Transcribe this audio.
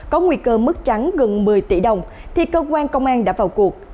có nguy cơ mất trắng gần một mươi tỷ đồng thì cơ quan công an đã vào cuộc